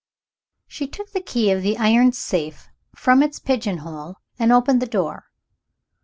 She took the key of the iron safe from its pigeon hole, and opened the door.